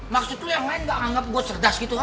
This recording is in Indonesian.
maksud lu yang lain gak anggap gue cerdas gitu ha